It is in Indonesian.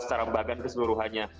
secara bagian keseluruhannya